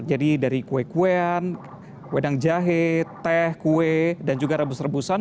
dari kue kuean wedang jahe teh kue dan juga rebus rebusan